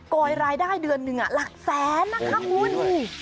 ยรายได้เดือนหนึ่งหลักแสนนะคะคุณ